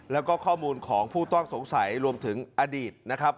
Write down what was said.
แล้วก็ข้อมูลของผู้ต้องสงสัยรวมถึงอดีตนะครับ